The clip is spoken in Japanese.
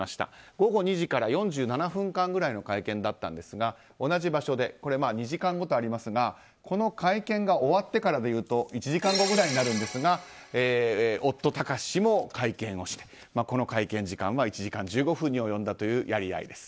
午後２時から４７分間くらいの会見だったんですが同じ場所で２時間後とありますがこの会見が終わってからでいうと１時間後くらいになるんですが夫・貴志氏も会見をしてこの会見時間は１時間１５分に及んだというやり合いです。